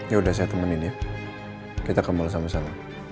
ya udah saya temenin ya kita kembal sama sama